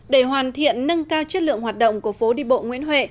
để hoàn thiện nâng cao chất lượng hoạt động của phố đi bộ nguyễn huệ